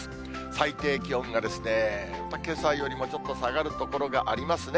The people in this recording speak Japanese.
最低気温がですね、けさよりも下がる所がありますね。